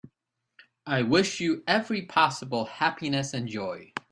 I wish you every possible happiness and joy.